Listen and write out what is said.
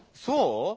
そう？